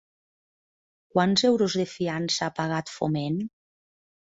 Quants euros de fiança ha pagat Foment?